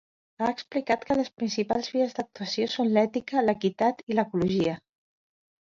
Ha explicat que les principals vies d'actuació són l'ètica, l'equitat i l'ecologia.